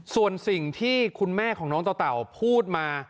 ส่วนสิ่งที่คุณแม่ของน้องต่อเต่าพูดมา